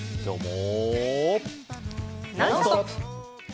「ノンストップ！」。